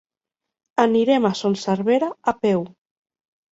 Anirem a Son Servera a peu.